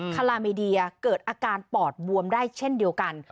คาลามีเดียเกิดอาการปอดบวมได้เช่นเดียวกัน